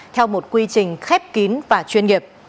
theo một quy trình khép kín và chuyên nghiệp